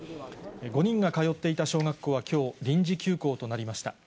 ５人が通っていた小学校はきょう、臨時休校となりました。